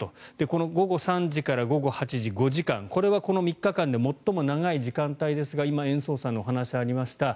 この午後３時から午後８時５時間これはこの３日間で最も長い時間ですが今、延増さんのお話にありました